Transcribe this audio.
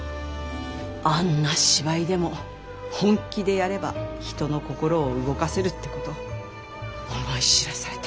あんな芝居でも本気でやれば人の心を動かせるってこと思い知らされた。